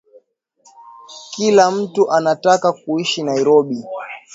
Kila mtu anataka kuishi Nairobi